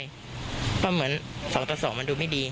เพราะเหมือน๒ต่อ๒มันดูไม่ดี